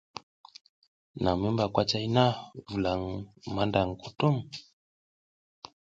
Naƞ mi mba kwacay na, vulaƞ maƞdaƞ kutum.